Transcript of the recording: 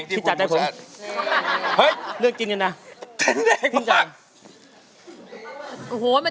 เธอคิดจะไหล